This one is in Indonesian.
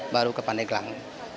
baru ke pandegelang